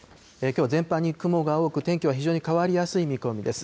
きょうは全般に雲が多く、天気は非常に変わりやすい見込みです。